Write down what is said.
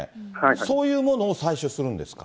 そういうものを採取するんですか。